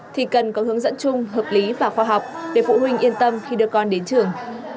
thì cần có hướng dẫn chung hợp lý và khoa học để phụ huynh yên tâm khi đưa con đến trường